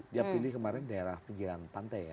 dia pilih kemarin daerah pinggiran pantai ya